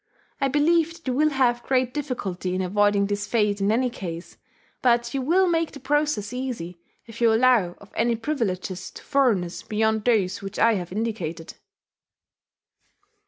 I believe that you will have great difficulty in avoiding this fate in any case, but you will make the process easy if you allow of any privileges to foreigners beyond those which I have indicated.